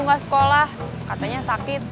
nggak sekolah katanya sakit